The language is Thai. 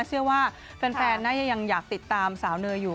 เชื่อว่าแฟนน่าจะยังอยากติดตามสาวเนยอยู่